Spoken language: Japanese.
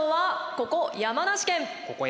ここ山梨県。